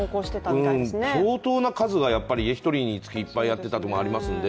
相当な数が１人につき、いっぱいやっていたというのがありますので。